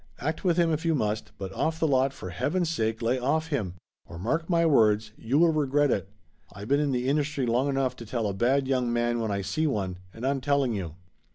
Act with him if you must, but off the lot for heaven's sake lay off him ! Or mark my words, you will regret it. I been in the industry long enough to tell a bad young man when I see one, and I'm telling you